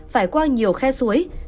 phải qua nhiều khe suối